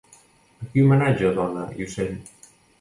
A qui homenatja Dona i ocell?